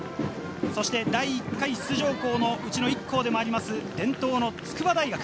第１回出場校のうちの１校でもあります、伝統の筑波大学。